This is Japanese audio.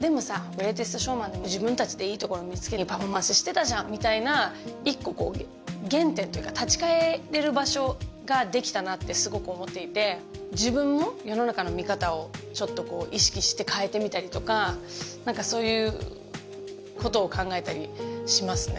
「グレイテスト・ショーマン」で自分達でいいところ見つけてパフォーマンスしてたじゃんみたいな一個原点というか立ち返れる場所ができたなってすごく思っていて自分も世の中の見方をちょっとこう意識して変えてみたりとかなんかそういうことを考えたりしますね